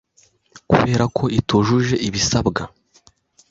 kubera ko itujuje ibisabwa,